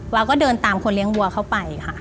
วาวก็เดินตามคนเลี้ยงวัวเข้าไปค่ะ